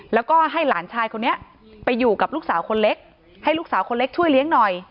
แล้วก็ให้หลานชายคนนี้ไปอยู่กับลูกสาวคนเล็กให้ลูกสาวคนเล็กช่วยเลี้ยงหน่อย